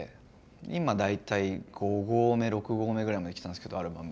今大体５合目６合目ぐらいまで来たんですけどアルバム。